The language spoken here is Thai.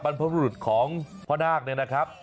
บรรพบรุษของพ่อนาคเนี่ยนะครับ